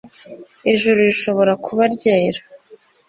ijuru rishobora kuba ryera